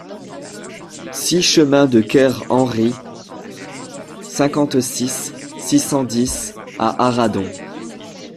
six chemin de Ker Henry, cinquante-six, six cent dix à Arradon